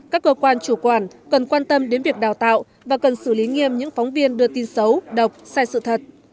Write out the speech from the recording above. các cơ quan chủ quản cần quan tâm đến việc đào tạo và cần xử lý nghiêm những phóng viên đưa tin xấu độc sai sự thật